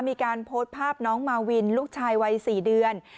มีการโพสต์ภาพน้องมาวินลูกชายวัย๔เดือน